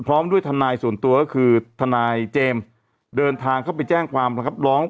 พร้อมด้วยทนายส่วนตัวก็คือทนายเจมส์เดินทางเข้าไปแจ้งความนะครับร้อง